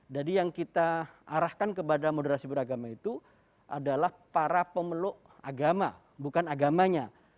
jadi yang kita arahkan kepada moderasi beragama itu adalah para pemeluk agama bukan agamanya